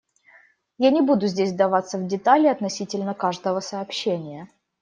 Я не буду здесь вдаваться в детали относительно каждого сообщения.